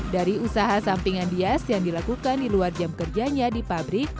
dari usaha sampingan bias yang dilakukan di luar jam kerjanya di pabrik